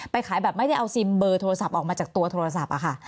ขายแบบไม่ได้เอาซิมเบอร์โทรศัพท์ออกมาจากตัวโทรศัพท์ค่ะ